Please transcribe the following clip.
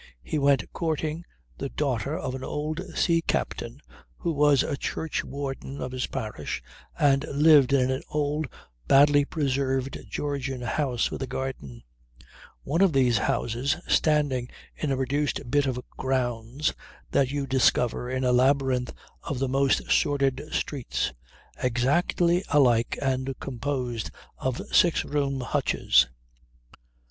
He went courting the daughter of an old sea captain who was a churchwarden of his parish and lived in an old badly preserved Georgian house with a garden: one of these houses standing in a reduced bit of "grounds" that you discover in a labyrinth of the most sordid streets, exactly alike and composed of six roomed hutches.